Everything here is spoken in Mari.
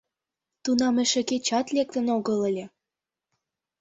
Тунам эше кечат лектын огыл ыле.